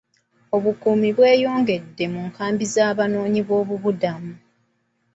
Obukuumi bweyongedde mu nkambi z'Abanoonyiboobubudamu.